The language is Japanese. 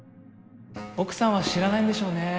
奥さんは知らないんでしょうね。